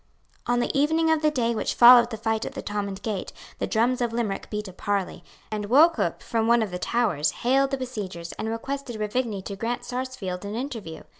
On the evening of the day which followed the fight at the Thomond Gate, the drums of Limerick beat a parley; and Wauchop, from one of the towers, hailed the besiegers, and requested Ruvigny to grant Sarsfield an interview.